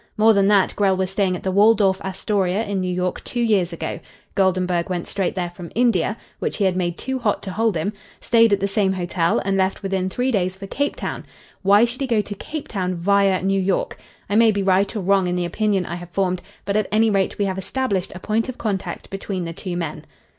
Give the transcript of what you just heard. More than that, Grell was staying at the Waldorf Astoria in New York two years ago. Goldenburg went straight there from India which he had made too hot to hold him stayed at the same hotel, and left within three days for Cape Town. Why should he go to Cape Town via New York? I may be right or wrong in the opinion I have formed, but at any rate we have established a point of contact between the two men."